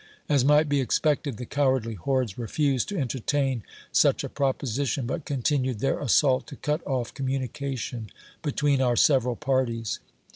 As might be expected, the cowardly hordes refused to entertain such a proposition, but continued their assault, to cut off communication between our several parties.